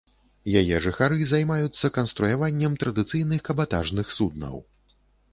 Яе жыхары займаюцца канструяваннем традыцыйных кабатажных суднаў.